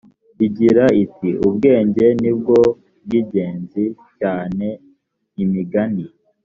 igira iti ubwenge ni bwo bw ingenzi cyane imigani